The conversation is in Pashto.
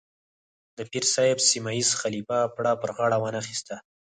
د پیر صاحب سیمه ییز خلیفه پړه پر غاړه وانه اخیسته.